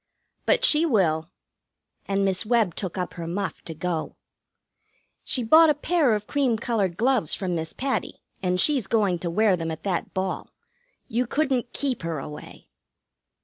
"But she will." And Miss Webb took up her muff to go. "She bought a pair of cream colored kid gloves from Miss Patty, and she's going to wear them at that ball. You couldn't keep her away."